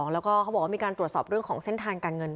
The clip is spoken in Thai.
แล้วก็เขาบอกว่ามีการตรวจสอบเรื่องของเส้นทางการเงิน